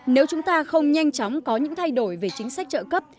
nếu chúng ta không nhanh chóng có những thay đổi về chính sách trợ cấp